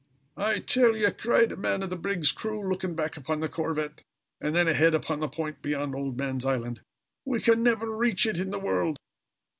"I tell ye," cried a man of the brig's crew, looking back upon the corvette and then ahead upon the point beyond Old Man's Island, "we can never reach it in the world!"